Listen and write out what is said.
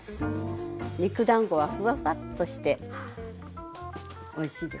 肉だんごはフワフワッとしておいしいです。